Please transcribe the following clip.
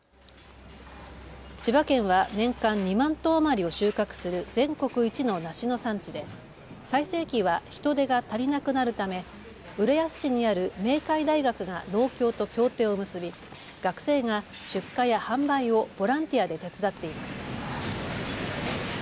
千葉県は年間２万トン余りを収穫する全国一の梨の産地で最盛期は人手が足りなくなるため浦安市にある明海大学が農協と協定を結び、学生が出荷や販売をボランティアで手伝っています。